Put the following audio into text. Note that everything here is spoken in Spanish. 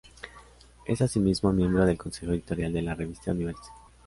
Es asimismo miembro del consejo editorial de la revista "Universe".